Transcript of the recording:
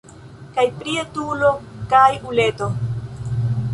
Kaj pri etulo kaj uleto..